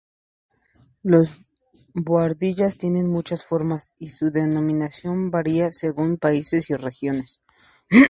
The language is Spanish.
Las buhardillas tienen muchas formas; y su denominación varía según países y regiones.